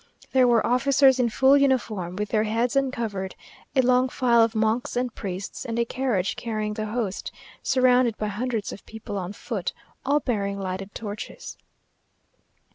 There were officers in full uniform, with their heads uncovered, a long file of monks and priests, and a carriage carrying the host, surrounded by hundreds of people on foot, all bearing lighted torches.